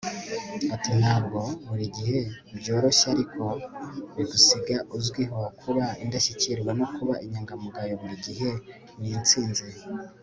ati ntabwo buri gihe byoroshye ariko bigusiga uzwiho kuba indashyikirwa no kuba inyangamugayo, buri gihe ni intsinzi